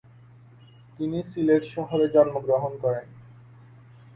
তিনি সিলেট শহরে জন্মগ্রহণ করেন।